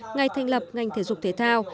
ngày thành lập ngành thể dục thể thao